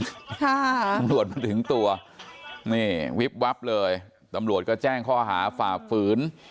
ตำรวจมาถึงตัวนี่วิบวับเลยตำรวจก็แจ้งข้อหาฝ่าฝืน